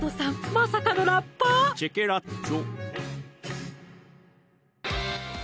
まさかのラッパーチェケラッチョ！